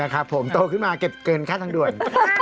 ดีครับโตขึ้นมาเก็บเกินค่าทั้งด่วน